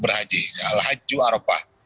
berhaji al hajj arapah